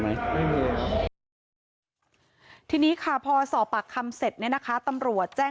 จริงแล้วผมไม่ได้เล่นกับเขาอยู่แล้ว